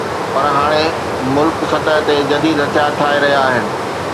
پر هاڻي ملڪ سطح تي جديد هٿيار ٺاهي رهيا آهن